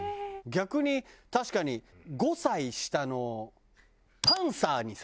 逆に確かに５歳下のパンサーにさ。